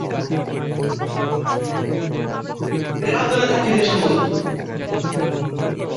একটু সাবধানে থাকিস এসময়।